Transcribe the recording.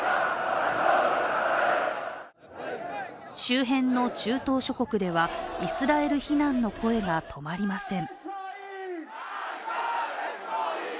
周辺の中東諸国ではイスラエル非難の声が止まりません。